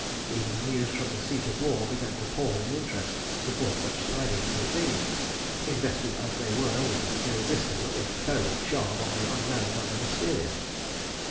Even the news from the Seat of War began to pall in interest before such tidings as these, invested as they were with the irresistible if terrible charm of the unknown and the mysterious.